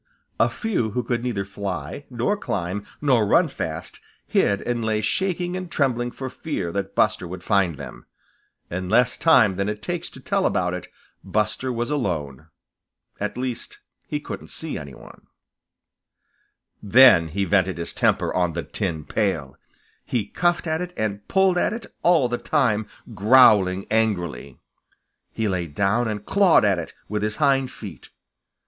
A few who could neither fly nor climb nor run fast, hid and lay shaking and trembling for fear that Buster would find them. In less time than it takes to tell about it, Buster was alone. At least, he couldn't see any one. [Illustration: Those who could fly, flew. Those who could climb, climbed. Page 112.] Then he vented his temper on the tin pail. He cuffed at it and pulled at it, all the time growling angrily. He lay down and clawed at it with his hind feet.